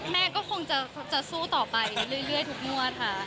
แม่ก็คงจะสู้ต่อไปเรื่อยทุกงวดค่ะ